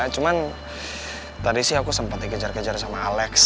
cuman tadi sih aku sempat dikejar kejar sama alex